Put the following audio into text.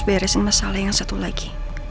beresin masalah yang satu lagi